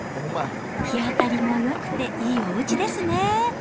日当たりもよくて、いいおうちですね。